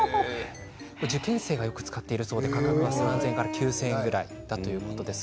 受験生がよく使っているということで価格は３０００円から９０００円ということです。